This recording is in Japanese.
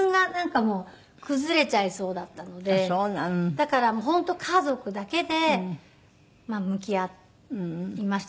だから本当家族だけで向き合いました。